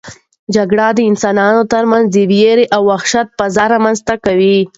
جګړه د انسانانو ترمنځ د وېرې او وحشت فضا رامنځته کوي.